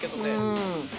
うん。